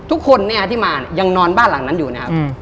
ทุกคนที่มายังนอนบ้านหลังนั้นอยู่นะฮะ